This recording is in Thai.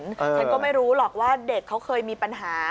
ฉันก็ไม่รู้หรอกว่าเด็กเขาเคยมีปัญหา